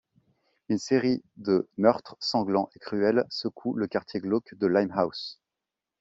Une série de meurtres sanglants et cruels secouent le quartier glauque de Limehouse.